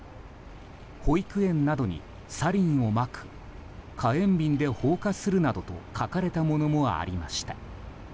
保育園などにサリンをまく火炎瓶で放火するなどと書かれたものもありました。